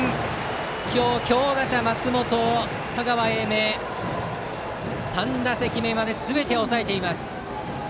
今日、強打者・松本を香川・英明は３打席目まですべて抑えています。